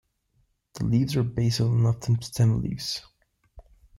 The leaves are basal and often stem leaves.